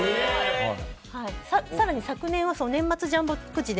更に、昨年は年末ジャンボ宝くじで